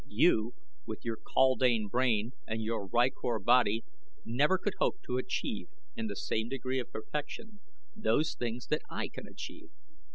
You, with your kaldane brain and your rykor body, never could hope to achieve in the same degree of perfection those things that I can achieve.